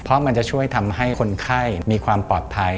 เพราะมันจะช่วยทำให้คนไข้มีความปลอดภัย